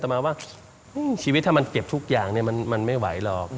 แต่มาว่าชีวิตถ้ามันเก็บทุกอย่างมันไม่ไหวหรอก